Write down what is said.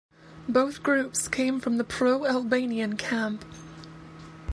Both groups came from the pro-Albanian camp.